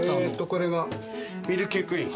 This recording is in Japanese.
これがミルキークイーン。